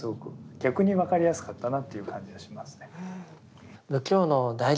逆に分かりやすかったなという感じがしますね。